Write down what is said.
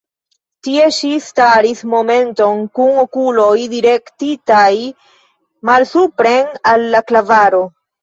Tie ŝi staris momenton kun okuloj direktitaj malsupren al la klavaro.